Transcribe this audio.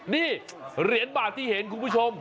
นี่เหรียญบาทที่เห็นคุณผู้ชม